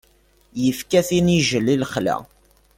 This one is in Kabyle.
Ifka-t inijjel i lexla.